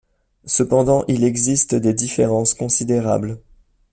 Cependant, il existe des différences considérables.